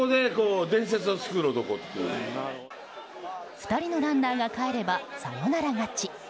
２人のランナーがかえればサヨナラ勝ち。